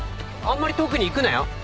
あんまり遠くに行くなよ。